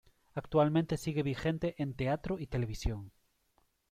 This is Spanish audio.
Actualmente sigue vigente en teatro y televisión.